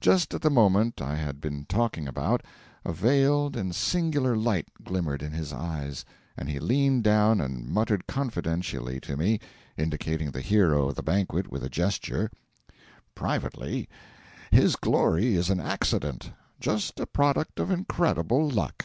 Just at the moment I have been talking about, a veiled and singular light glimmered in his eyes, and he leaned down and muttered confidentially to me indicating the hero of the banquet with a gesture, 'Privately his glory is an accident just a product of incredible luck.'